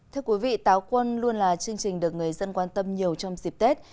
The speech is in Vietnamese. thưa quý vị táo quân luôn là chương trình được người dân quan tâm nhiều trong dịp tết